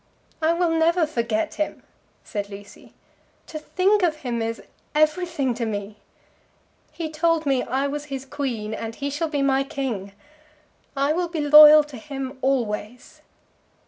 "I will never forget him!" said Lucy. "To think of him is everything to me. He told me I was his Queen, and he shall be my King. I will be loyal to him always."